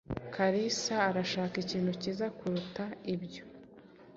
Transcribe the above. Kalisa arashaka ikintu cyiza kuruta ibyo.